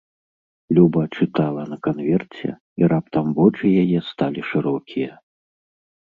Люба чытала на канверце, і раптам вочы яе сталі шырокія.